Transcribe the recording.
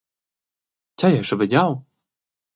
Tgei ei schabegiau?